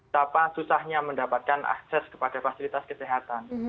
tanpa susahnya mendapatkan akses kepada fasilitas kesehatan